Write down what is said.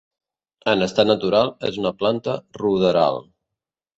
En estat natural és una planta ruderal.